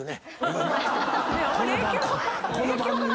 この番組で。